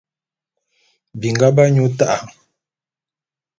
Binga b'anyu ta'a.